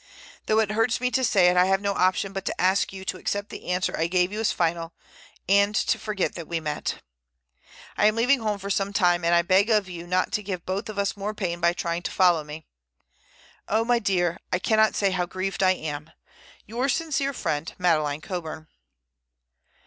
Though it hurts me to say it, I have no option but to ask you to accept the answer I gave you as final, and to forget that we met. "I am leaving home for some time, and I beg of you not to give both of us more pain by trying to follow me. Oh, my dear, I cannot say how grieved I am. "Your sincere friend, "Madeleine Coburn."